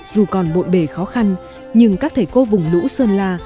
dù còn bộn bề khó khăn nhưng các thầy cô vùng lũ sơn la